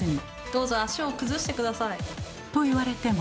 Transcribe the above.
どうぞ足を崩して下さい。と言われても。